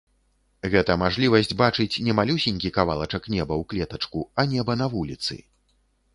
Гэта мажлівасць бачыць не малюсенькі кавалачак неба ў клетачку, а неба на вуліцы.